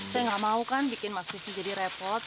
saya nggak mau kan bikin mas suci jadi repot